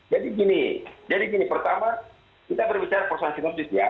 jadi gini pertama kita berbicara persansinopsis ya